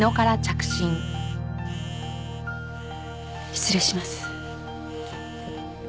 失礼します。